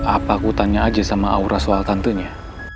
apa aku tanya aja sama aura soal tantenya